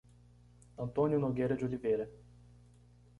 Antônio Nogueira de Oliveira